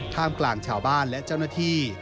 กลางชาวบ้านและเจ้าหน้าที่